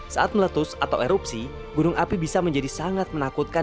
saat meletus atau erupsi gunung api bisa menjadi sangat menakutkan